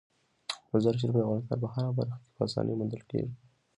مزارشریف د افغانستان په هره برخه کې په اسانۍ موندل کېږي.